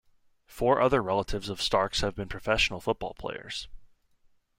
Four other relatives of Starks have been professional football players.